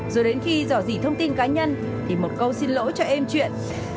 rồi đến khi rõ rỉ thông tin cá nhân thì một câu xin lỗi cho em chuyện